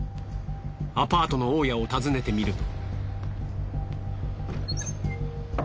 アパートの大家を訪ねてみると。